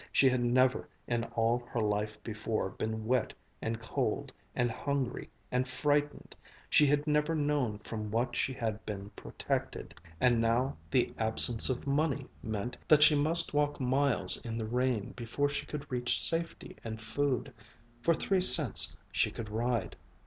She had never, in all her life before, been wet and cold and hungry and frightened, she had never known from what she had been protected. And now the absence of money meant that she must walk miles in the rain before she could reach safety and food. For three cents she could ride.